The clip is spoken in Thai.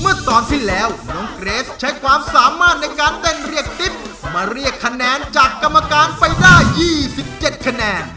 เมื่อตอนสิ้นแล้วน้องเกรสใช้ความสามารถในการเต้นเรียกติ๊บมาเรียกคะแนนจากกรรมการไปได้๒๗คะแนน